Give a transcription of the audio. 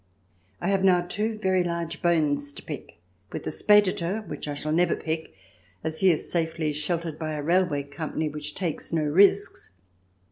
I have now two very large bones to pick with the Speditor, which I shall never pick, as he is safely sheltered by a railway company which takes no risks.